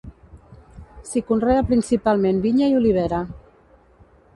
S'hi conrea principalment vinya i olivera.